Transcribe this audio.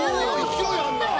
勢いあんなあ！